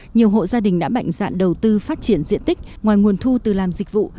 nhiều hộ gia đình đã mạnh dạn đầu tư phát triển diện tích ngoài nguồn thu từ làm dịch vụ